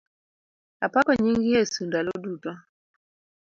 Apako nying Yesu ndalo duto.